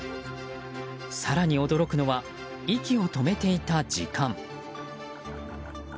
更に驚くのは息を止めていた時間。